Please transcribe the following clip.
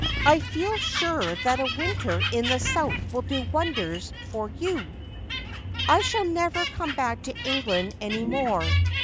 I feel sure that a winter in the south will do wonders for you.' ' I shall never come back to England any more.